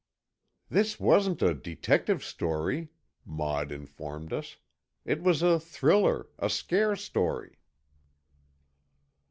"This wasn't a detective story," Maud informed us. "It was a thriller, a scare story."